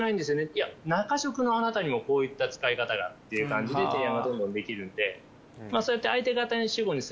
いや中食のあなたにもこういった使い方がっていう感じで提案がどんどんできるんで。